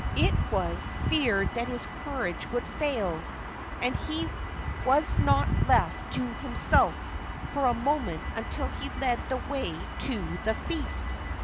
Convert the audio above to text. It was feared that his courage would fail, and he was not left to himself for a moment until he led the way to the feast.